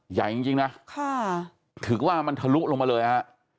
ใหญ่จริงนะถือว่ามันทะลุลงมาเลยฮะ